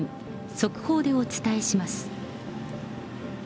速報でお伝えします。